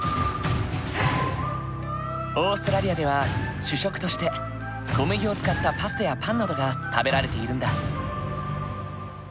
オーストラリアでは主食として小麦を使ったパスタやパンなどが食べられているんだ。